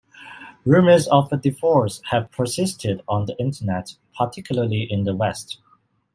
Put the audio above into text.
Rumors of a divorce have persisted on the internet, particularly in the West.